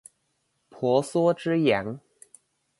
婆娑之洋